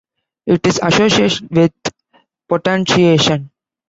It is associated with potentiation.